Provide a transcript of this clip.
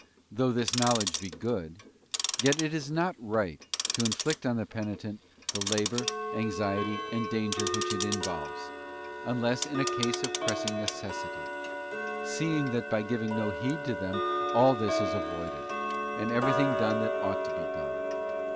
Though this knowledge be good, yet is it not right to inflict on the penitent the labour, anxiety, K 2 132 THE ASCENT OF MOUNT CARMEL. BOOK and danger which it involves, unless in a case of pressing necessity; seeing that by giving no heed to them all this is avoided, and everything done that ought to be done.